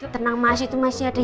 tenang mas itu masih ada